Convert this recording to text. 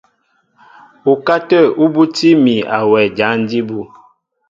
Ukátə̂ ú bútí mi a wɛ jǎn jí bú.